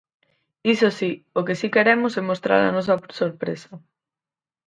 Iso si, o que si queremos é mostrar a nosa sorpresa.